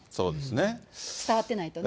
伝わってないとね。